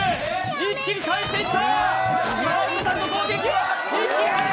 一気に返していった。